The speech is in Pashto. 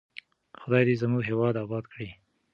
خدای دې زموږ هېواد اباد کړي.